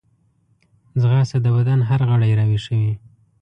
ځغاسته د بدن هر غړی راویښوي